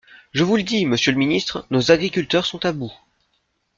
Je vous le dis, monsieur le ministre, nos agriculteurs sont à bout.